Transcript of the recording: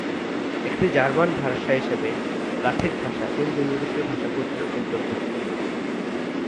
একটি জার্মান ভাষা হিসেবে গথিক ভাষা ইন্দো-ইউরোপীয় ভাষা গোত্রের অর্ন্তভূক্ত।